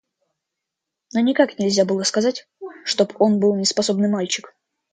Но никак нельзя было сказать, чтоб он был неспособный мальчик.